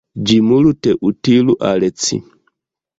Ĝi multe utilu al ci!